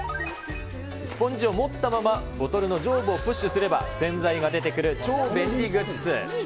スポンジを持ったままボトルの上部をプッシュすれば、洗剤が出てくる超便利グッズ。